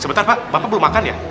sebentar pak bapak belum makan ya